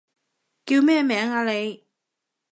叫咩名啊你？